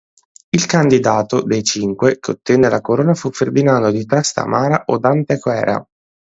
Il candidato, dei cinque, che ottenne la corona fu Ferdinando di Trastámara o d'Antequera.